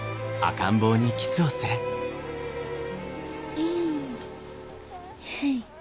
うんはい。